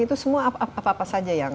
itu semua apa apa saja yang